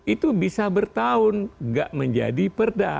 itu bisa bertahun gak menjadi perda